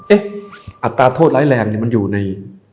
เอ๊ะอัตราโทษร้ายแรงมันอยู่ใน